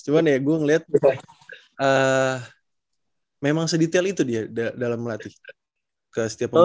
cuman ya gue ngeliat memang sedetail itu dia dalam melatih ke setiap pemain